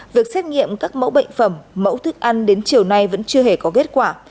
việc xét nghiệm các mẫu bệnh phẩm mẫu thức ăn đến chiều nay vẫn chưa hề có kết quả